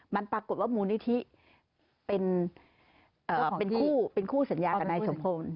มันปรากฏว่ามูลนิธิเป็นคู่สัญญากันในสัมพงษ์